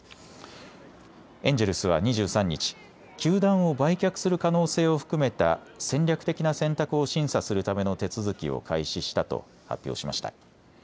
エンジェルスは２３日、球団を売却する可能性を含めた戦略的な選択を審査するための手続きを開始したと発表しました。